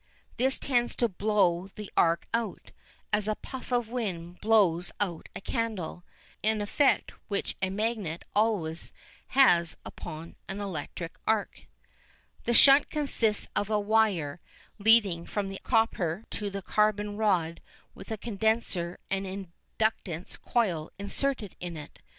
This tends to blow the arc out, as a puff of wind blows out a candle, an effect which a magnet always has upon an electric arc. The shunt consists of a wire leading from the copper to the carbon rod with a condenser and an inductance coil inserted in it.